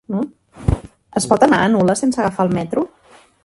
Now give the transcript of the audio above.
Es pot anar a Nules sense agafar el metro?